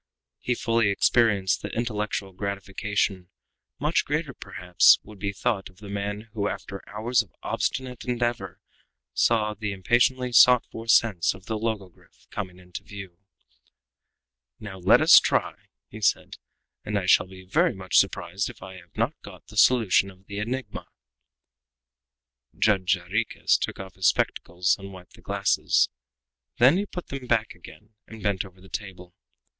He fully experienced the intellectual gratification much greater than, perhaps, would be thought of the man who, after hours of obstinate endeavor, saw the impatiently sought for sense of the logogryph coming into view. "Now let us try," he said; "and I shall be very much surprised if I have not got the solution of the enigma!" Judge Jarriquez took off his spectacles and wiped the glasses; then he put them back again and bent over the table.